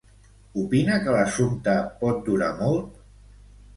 Opina que l'assumpte pot durar molt?